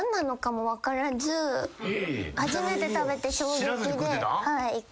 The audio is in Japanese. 初めて食べて衝撃で。